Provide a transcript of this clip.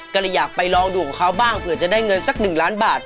ก็เลยอยากไปลองดูของเขาบ้างเผื่อจะได้เงินสัก๑ล้านบาท